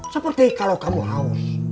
seperti kalau kamu haus